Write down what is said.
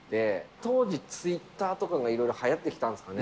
当時、ツイッターとかがいろいろはやってきたんですかね。